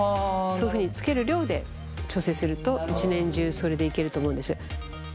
そういうふうにつける量で調整すると一年中それでいけると思うんです。